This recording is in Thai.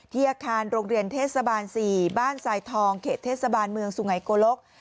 อาคารโรงเรียนเทศบาล๔บ้านทรายทองเขตเทศบาลเมืองสุไงโกลก